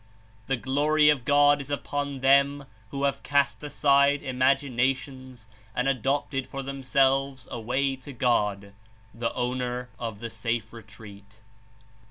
The Glory of God is upon them who have cast aside imaginations and adopted for themselves a way to God, the Owner of the Safe Retreat."